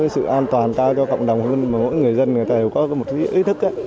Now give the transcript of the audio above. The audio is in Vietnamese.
sự an toàn cao cho cộng đồng mỗi người dân có một ý thức